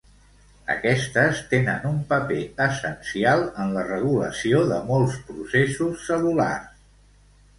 Aquestes tenen un paper essencial en la regulació de molts processos cel·lulars.